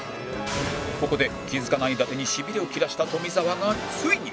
ここで気付かない伊達にしびれを切らした富澤がついに